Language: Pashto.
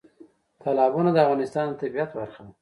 تالابونه د افغانستان د طبیعت برخه ده.